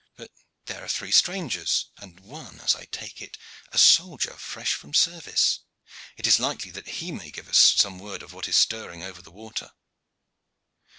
But here are three strangers, and one, as I take it, a soldier fresh from service. It is likely that he may give us word of what is stirring over the water."